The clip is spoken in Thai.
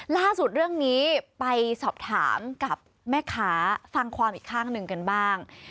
ล่าสุดเรื่องนี้ไปสอบถามกับแม่ค้าฟังความอีกข้างหนึ่งกันบ้าง